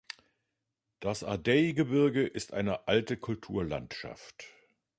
Das Ardeygebirge ist eine alte Kulturlandschaft.